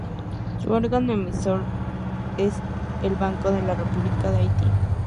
Su órgano emisor es el Banco de la República de Haití.